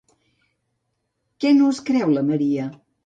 Què no es creu la Maria?